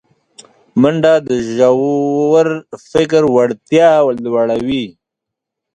منډه د ژور فکر وړتیا لوړوي